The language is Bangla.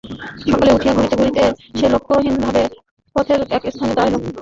সকালে উঠিয়া ঘুরিতে ঘুরিতে সে লক্ষ্যহীন ভাবে পথের একস্থানে দাঁড়াইল।